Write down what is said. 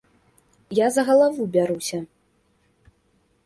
Я за галаву бяруся.